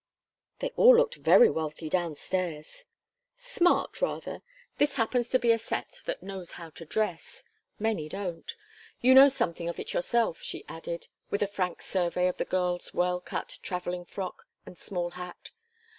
"They all looked very wealthy down stairs." "Smart, rather. This happens to be a set that knows how to dress. Many don't. You know something of it yourself," she added, with a frank survey of the girl's well cut travelling frock and small hat.